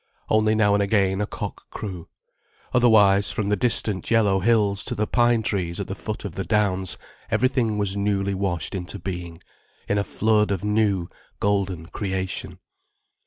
Only now and again a cock crew. Otherwise, from the distant yellow hills to the pine trees at the foot of the downs, everything was newly washed into being, in a flood of new, golden creation.